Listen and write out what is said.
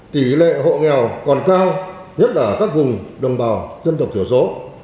tỷ lệ hộ nghèo còn cao nhất là ở các vùng đồng bào dân tộc thiểu số